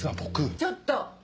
ちょっと！